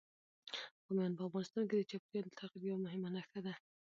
بامیان په افغانستان کې د چاپېریال د تغیر یوه مهمه نښه ده.